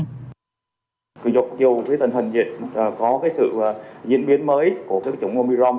cơ sở giáo dục dù với tình hình dịch có sự diễn biến mới của chống omicron